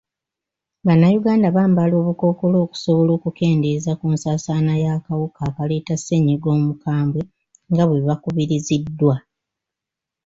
Bannayuganda bambala obukkookolo okusobola okukendeeza ku nsaasaana y'akawuka akaleeta ssennyiga omukambwe nga bwe bakubiriziddwa.